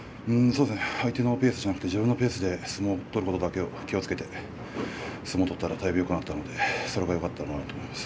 相手のペースではなく自分のペースで相撲を取ることを気をつけてやったらだいぶよくなったのでそれがよかったと思っています。